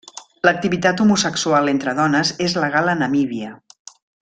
L'activitat homosexual entre dones és legal a Namíbia.